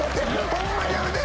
ホンマにやめて！